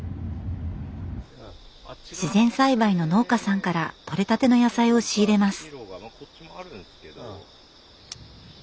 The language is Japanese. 自然栽培の農家さんから取れたての野菜を仕入れます。